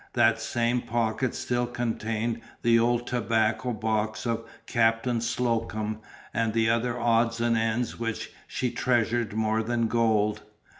That same pocket still contained the old tobacco box of Captain Slocum and the other odds and ends which she treasured more than gold.